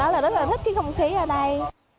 và rất là thích nói là rất là thích cái không khí ở đây